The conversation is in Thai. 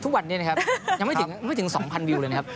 ทุกวันนี้นะครับยังไม่ถึง๒๐๐วิวเลยนะครับ